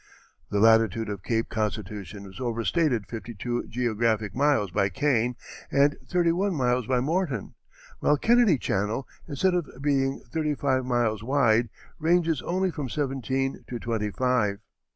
The latitude of Cape Constitution was overstated fifty two geographic miles by Kane and thirty one miles by Morton, while Kennedy Channel, instead of being thirty five miles wide, ranges only from seventeen to twenty five.